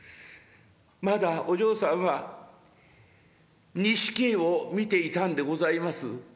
まだお嬢さんは錦絵を見ていたんでございます。